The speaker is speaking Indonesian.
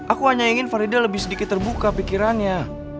aku hanya ingin farida lebih sedikit terbuka pikirannya